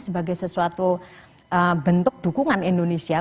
sebagai sesuatu bentuk dukungan indonesia